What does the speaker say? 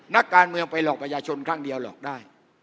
นักการเมืองไปหลอกประชาชนครั้งเดียวหลอกได้